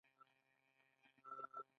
بهرنۍ سوداګري د ګټو لویې سرچینې دي